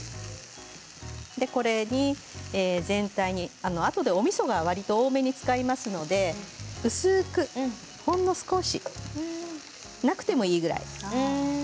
こちらに全体にあとでおみそはわりと多めに使いますので薄くほんの少しなくてもいいぐらいです。